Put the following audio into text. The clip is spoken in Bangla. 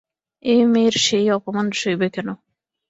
এ মেয়ের সেই অপমান সইবে কেন?